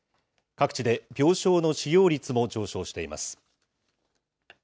各地で病床の使用率も上昇しています。